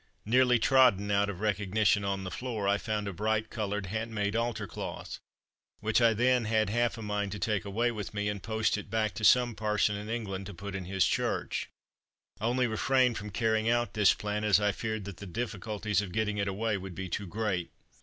Nearly trodden out of recognition on the floor, I found a bright coloured hand made altar cloth, which I then had half a mind to take away with me, and post it back to some parson in England to put in his church. I only refrained from carrying out this plan as I feared that the difficulties of getting it away would be too great.